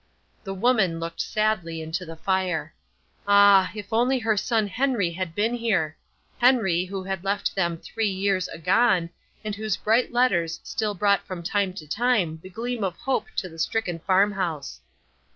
The woman looked sadly into the fire. Ah, if only her son Henry had been here. Henry, who had left them three years agone, and whose bright letters still brought from time to time the gleam of hope to the stricken farmhouse.